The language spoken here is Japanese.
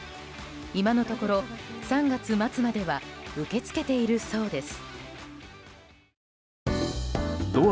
今のところ、３月末までは受け付けているそうです。